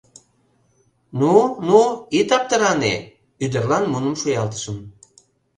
Ну-ну, ит аптыране, — ӱдырлан муным шуялтышым.